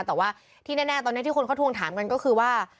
แต่ว่าที่แน่ตอนนี้ที่คนเขาทวงถามกันก็คือว่า